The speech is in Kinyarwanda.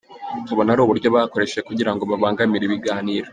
Tubona ari uburyo bakoresheje kugira ngo babangamire ibiganiro.